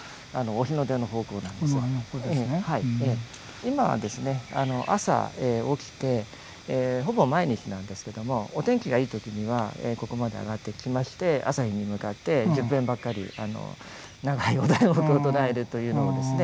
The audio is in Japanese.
今はですね朝起きてほぼ毎日なんですけどもお天気がいい時にはここまで上がってきまして朝日に向かって１０分ばかり長いお題目を唱えるというのをですね